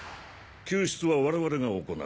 救出は我々が行う。